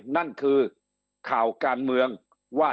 นั่นคือข่าวการเมืองว่า